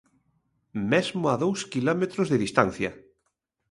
Mesmo a dous quilómetros de distancia.